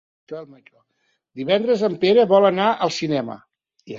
Divendres en Pere vol anar al cinema.